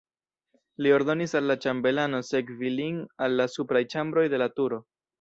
Li ordonis al la ĉambelano sekvi lin al la supraj ĉambroj de la turo.